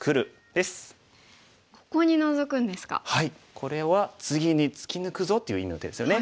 これは「次に突き抜くぞ」っていう意味の手ですよね。